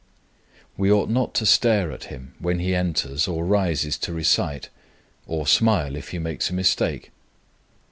We ought not to stare at him when he enters or rises to recite, or smile if he makes a mistake.